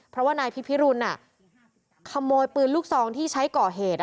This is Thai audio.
เพราะว่านายพิพิรุณขโมยปืนลูกซองที่ใช้ก่อเหตุ